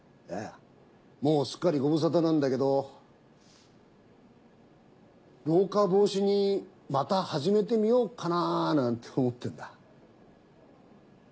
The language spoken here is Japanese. いやもうすっかりご無沙汰なんだけど老化防止にまた始めてみようかななんて思ってんだ。